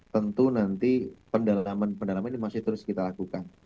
tentu nanti pendalaman pendalaman ini masih terus kita lakukan